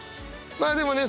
まあでもね